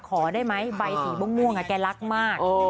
ขอได้ไหมใบสีม่วงแกรักมาก